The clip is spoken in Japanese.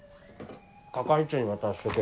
係長に渡しとく。